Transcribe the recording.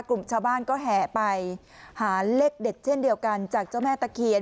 กลุ่มชาวบ้านก็แห่ไปหาเลขเด็ดเช่นเดียวกันจากเจ้าแม่ตะเคียน